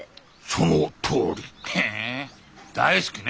そのとおりへ大好きねっ。